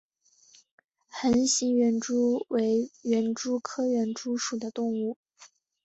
横形园蛛为园蛛科园蛛属的动物。